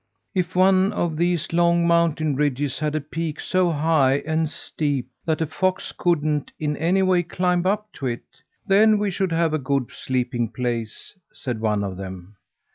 "If one of these long mountain ridges had a peak so high and steep that a fox couldn't in any way climb up to it, then we should have a good sleeping place," said one of them.